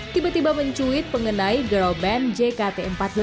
tiba tiba mencuit mengenai girl band jkt empat puluh delapan